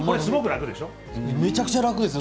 めちゃくちゃ楽ですよ。